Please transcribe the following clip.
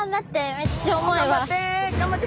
頑張って！